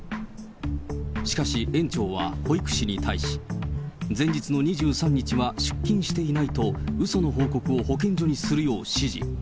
しかし園長は、保育士に対し、前日の２３日は出勤していないと、うその報告を保健所にするよう指示。